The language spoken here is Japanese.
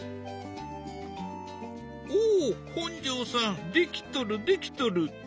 お本上さんできとるできとる。